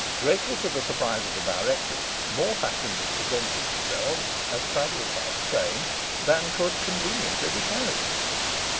Greatly to the surprise of the directors, more passengers presented themselves as travellers by the train than could conveniently be carried.